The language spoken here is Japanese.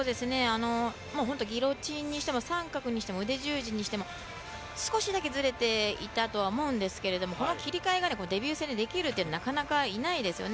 ギロチンにしても三角にしても腕十字にしても少しだけずれていたとは思うんですけどもこの切り替えがデビュー戦でできるのはなかなかいないですね。